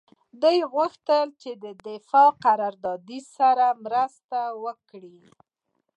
دوی غوښتل چې د دفاعي قراردادي سره مرسته وکړي